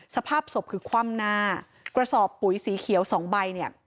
สภาพศพคือคว่ำหน้ากระสอบปุ๋ยสีเขียว๒ใบ